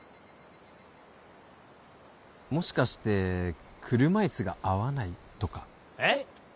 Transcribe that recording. もしかして車いすが合わないとかえっ？